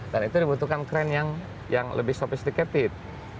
dan itu dibutuhkan crane yang lebih sophisticated